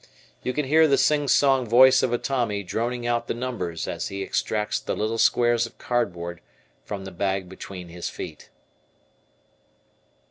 You can hear the sing song voice of a Tommy droning out the numbers as he extracts the little squares of cardboard from the bag between his feet.